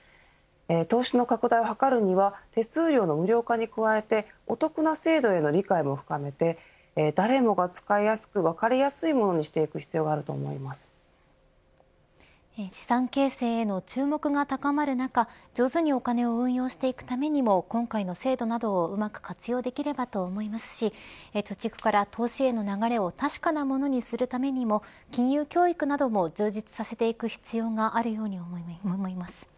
投資の拡大を図るには手数料の無料化に加えてお得な制度への理解を深めて誰もが使いやすく分かりやすいものにしていく資産形成の注目が高まる中上手にお金を運用していくためにも今回の制度などをうまく活用できればと思いますし貯蓄から投資への流れを確かなものにするためにも金融教育なども充実させていく必要があるように思います。